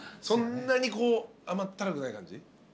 そんなにこう甘ったるくない感じ？